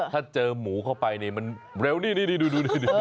ถ้าเจอหมูเข้าไปเร็วนี่ดู